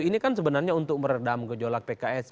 ini kan sebenarnya untuk meredam gejolak pks